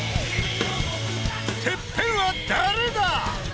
［ＴＥＰＰＥＮは誰だ！？］